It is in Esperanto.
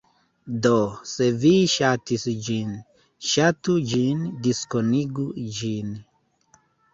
Do, se vi ŝatis ĝin, ŝatu ĝin diskonigu ĝin